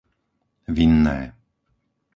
Vinné